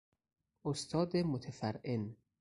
استاد متفرعن